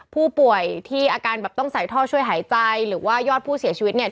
ผู้ป่วยที่อาการแบบต้องใส่ท่อช่วยหายใจหรือว่ายอดผู้เสียชีวิตเนี่ย